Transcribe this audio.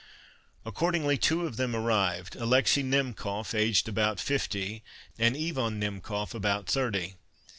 Accordingly two of them arrived, Alexis Himkof, aged about fifty and Iwan Himkof about thirty.